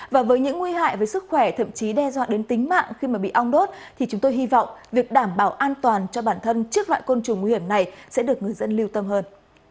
và với những nguy hại với sức khỏe thậm chí đe dọa đến tính mạng khi mà bị ong đốt thì chúng tôi hy vọng việc đảm bảo an toàn cho bản thân trước loại côn trùng nguy hiểm này sẽ được người dân lưu tâm hơn